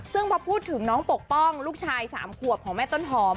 ซึ่งพอพูดถึงน้องปกป้องลูกชาย๓ขวบของแม่ต้นหอม